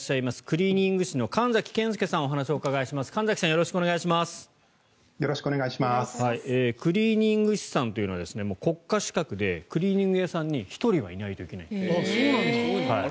クリーニング師さんというのは国家資格でクリーニング屋さんに１人はいないといけない。